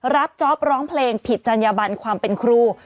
จ๊อปร้องเพลงผิดจัญญบันความเป็นครู